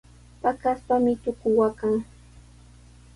Paqaspami tuku waqan.